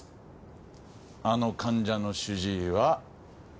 あの患者の主治医は俺だ。